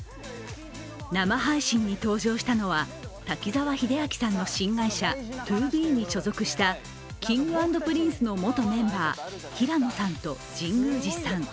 生配信に登場したのは滝沢秀明さんの新会社ＴＯＢＥに所属したＫｉｎｇ＆Ｐｒｉｎｃｅの元メンバー平野さんと神宮寺さん。